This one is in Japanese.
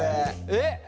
えっ。